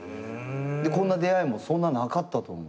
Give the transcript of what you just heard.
こんな出会いもそんななかったと思う。